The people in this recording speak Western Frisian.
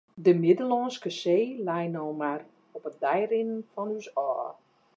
De Middellânske See lei no noch mar op in dei rinnen fan ús ôf.